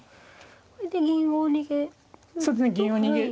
これで銀を逃げると。